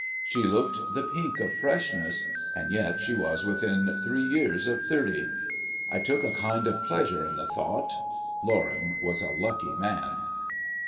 She looked the pink of freshness and yet she was within three years of thirty. I took a kind of pleasure in the thought. Loring was a lucky man.